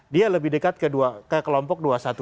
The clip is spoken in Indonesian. dia lebih dekat ke kelompok dua satu dua